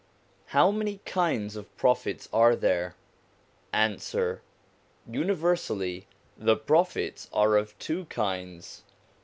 How many kinds of Prophets are there ? Answer. Universally, the Prophets are of two kinds.